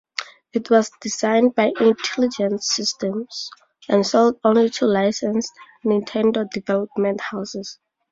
It was designed by Intelligent Systems, and sold only to licensed Nintendo development houses.